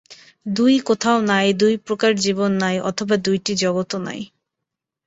দুই কোথাও নাই, দুইপ্রকার জীবন নাই, অথবা দুইটি জগৎও নাই।